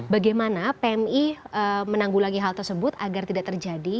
bagaimana pmi menanggulangi hal tersebut agar tidak terjadi